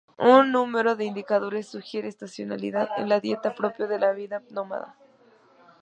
Un número de indicadores sugiere estacionalidad en la dieta, propio de la vida nómada.